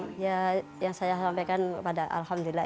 jadi ya yang saya sampaikan kepada alhamdulillah